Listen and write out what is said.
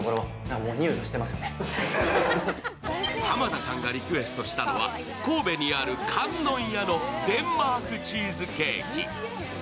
濱田さんがリクエストしたのは神戸にある観音屋のデンマークチーズケーキ。